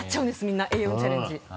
みんなＡ４チャレンジ。